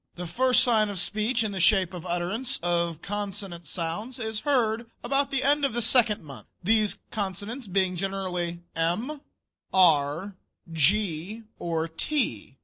The first sign of speech in the shape of utterance of consonant sounds is heard about the end of the second month, these consonants being generally "m," "r," "g," or "t."